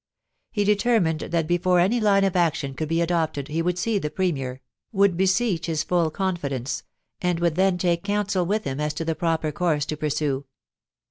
He determined that before any line of action could be adopted, he would see the Premier, would beseech his full confidence, and would then take counsel with him as to the proper course to pursue.